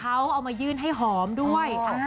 เขาเอามายื่นให้หอมด้วย